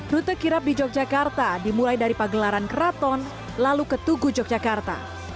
rute kirap di yogyakarta dimulai dari pagelaran keraton lalu ke tugu yogyakarta